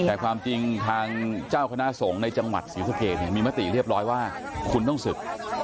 แต่ความจริงทางเจ้าคณะสงฆ์ในจังหวัดศรีสะเกดเนี่ยมีมติเรียบร้อยว่าคุณต้องศึก